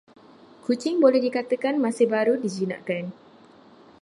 Kucing boleh dikatakan masih baru dijinakkan.